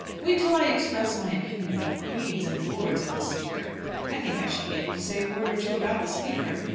"Wait till I express my opinion about queens, and lords, and the Speaker! I think I shall be able to say a word or two about the Speaker!